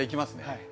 はい。